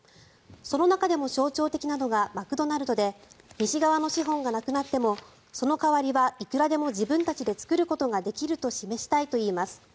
その中でも象徴的なのがマクドナルドで西側の資本がなくなってもその代わりはいくらでも自分たちで作ることができると示したいといいます。